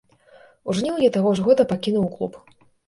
У жніўні таго ж года пакінуў клуб.